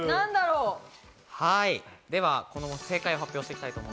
では正解を発表します。